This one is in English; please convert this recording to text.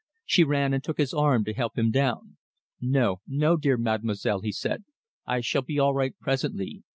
She ran and took his arm to help him down. "No, no, dear Mademoiselle," he said; "I shall be all right presently.